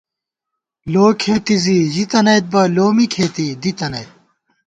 لو کھېتی زی ژِتَنَئیت بہ ، لو می کھېتی دِی تنَئیت